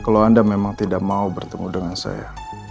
kalau anda memang tidak mau bertemu dengan saya